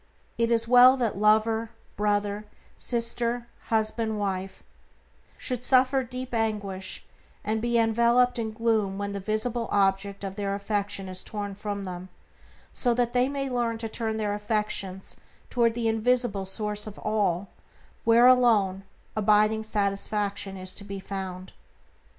It is well that lover, brother, sister, husband, wife should suffer deep anguish, and be enveloped in gloom when the visible object of their affections is torn from them, so that they may learn to turn their affections toward the invisible Source of all, where alone abiding satisfaction is to be found.